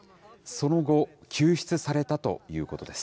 その後、救出されたということです。